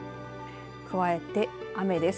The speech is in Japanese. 加えて雨です。